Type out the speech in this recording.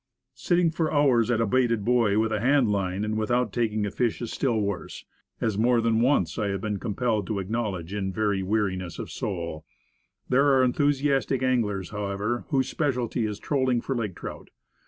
Sitting for hours at a baited buoy with a hand line, and without taking a fish, is still worse, as more than once I have been compelled to acknowledge in very weariness of soul. There are enthusiastic anglers, however, whose specialty is trolling for lake trout.